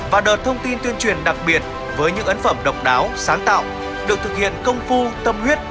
và đợt thông tin tuyên truyền đặc biệt với những ấn phẩm độc đáo sáng tạo được thực hiện công phu tâm huyết